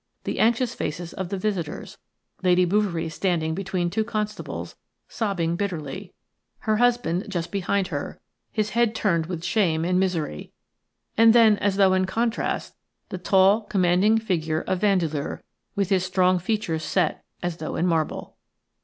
The anxious faces of the visitors; Lady Bouverie standing between two constables, sobbing bitterly; her husband just behind her, his head turned with shame and misery; and then, as though in contrast, the tall, commanding figure of Vandeleur, with his strong features set as though in marble.